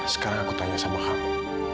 sekarang aku tanya sama aku